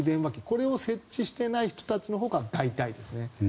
これを設置していない人のほうが大体ですね。